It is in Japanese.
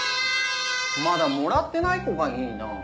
まだもらってない子がいいなぁ。